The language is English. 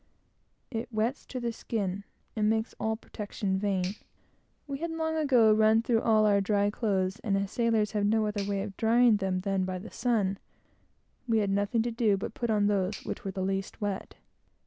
It wets to the skin, and makes all protection vain. We had long ago run through all our dry clothes, and as sailors have no other way of drying them than by the sun, we had nothing to do but to put on those which were the least wet.